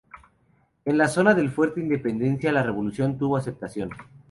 En la zona del Fuerte Independencia la revolución tuvo aceptación.